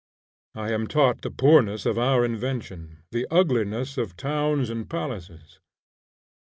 I am taught the poorness of our invention, the ugliness of towns and palaces.